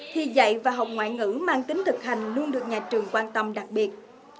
thì dạy và học ngoại ngữ mang tính thực hành luôn được nhà trường quan tâm đặc biệt